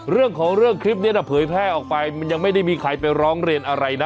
เรื่องของเรื่องคลิปนี้นะเผยแพร่ออกไปมันยังไม่ได้มีใครไปร้องเรียนอะไรนะ